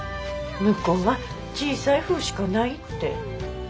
向こうは小さい麩しかないって。